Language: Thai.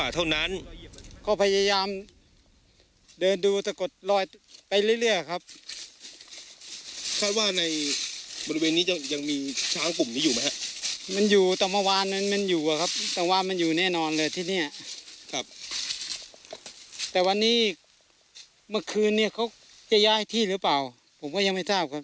แต่วันนี้เมื่อคืนเนี่ยเขาจะย้ายที่หรือเปล่าผมก็ยังไม่ทราบครับ